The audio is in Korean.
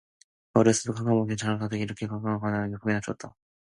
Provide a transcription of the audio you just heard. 그가 어려서부터 캄캄한 방에서 자란 까닭에 이렇게 캄캄한 가운데 앉은 것이 퍽으나 좋았다.